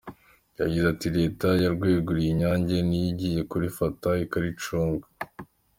Yagize ati “Leta yaryeguriye Inyange niyo igiye kurifata ikaricunga.